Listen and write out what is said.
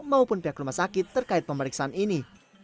maupun pihak rumah sakit terkait pemeriksaan ini